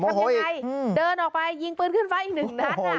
โมโหอีกทำยังไงเดินออกไปยิงปืนขึ้นไปอีกหนึ่งนัดอ่ะ